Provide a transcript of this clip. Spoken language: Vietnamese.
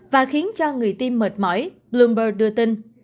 và khiến cho người tim mệt mỏi bloomberg đưa tin